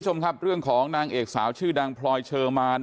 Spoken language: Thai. คุณผู้ชมครับเรื่องของนางเอกสาวชื่อดังพลอยเชอร์มาน